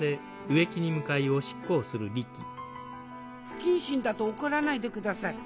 不謹慎だと怒らないでください。